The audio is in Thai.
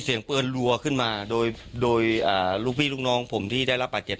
เสียงปืนรัวขึ้นมาโดยโดยลูกพี่ลูกน้องผมที่ได้รับบาดเจ็บ